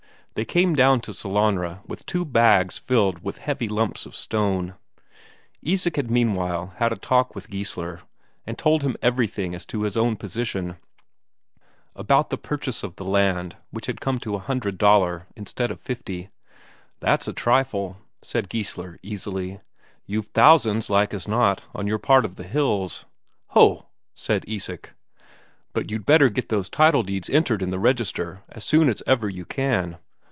They came down to Sellanraa with two bags filled with heavy lumps of stone. Isak had meanwhile had a talk with Geissler, and told him everything as to his own position: about the purchase of the land, which had come to a hundred Daler instead of fifty. "That's a trifle," said Geissler easily. "You've thousands, like as not, on your part of the hills." "Ho!" said Isak. "But you'd better get those title deeds entered in the register as soon as ever you can."